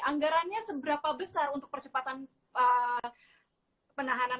anggarannya seberapa besar untuk percepatan penahanan